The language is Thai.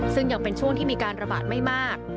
ซึ่งยังเป็นช่วงที่มีการระบาดไม่มาก